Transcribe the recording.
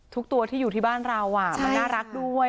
ทุกตัวที่อยู่ที่บ้านเรามันน่ารักด้วย